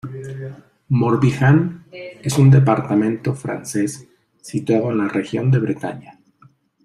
Morbihan es un departamento francés situado en la región de Bretaña.